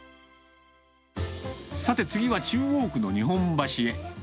さて次は、中央区の日本橋へ。